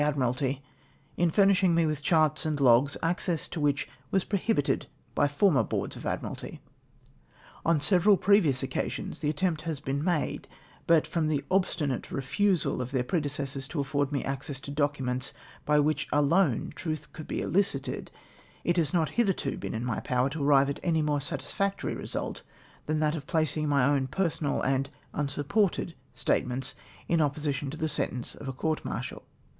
Admiralty, in furnishing nie with charts and logs, access to which w^as prohibited by former Boards of Admiralty. On several previous occasions the attempt has been made, but from the obstinate refusal of then predecessors to afford me access to documents by which alone truth could be ehcited, it has not hithei'to been in my power to arrive at any more satisfactory result than that of placing my o^Tn personal and unsupported statements in oj^position to the sentence of a court martial.